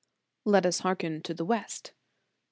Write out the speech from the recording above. Let us hearken to the West. St.